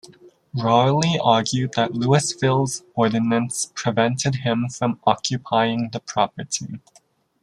Warley argued that Louisville's ordinance prevented him from occupying the property.